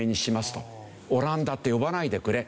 オランダって呼ばないでくれ。